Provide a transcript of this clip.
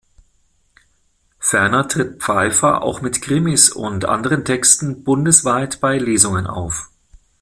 Ferner tritt Pfeiffer auch mit Krimis und anderen Texten bundesweit bei Lesungen auf.